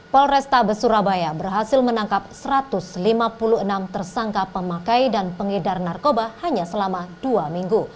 polresta besurabaya berhasil menangkap satu ratus lima puluh enam tersangka pemakai dan pengedar narkoba hanya selama dua minggu